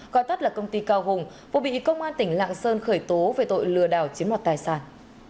gọi tắt là công ty cao hùng vụ bị công an tỉnh lạng sơn khởi tố về tội lừa đảo chiếm mọt tài sản